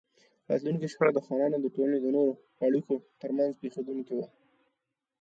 راتلونکې شخړه د خانانو او د ټولنې نورو پاړکیو ترمنځ پېښېدونکې وه.